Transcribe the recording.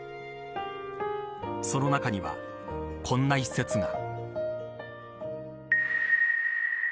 その中にはこんな一節が。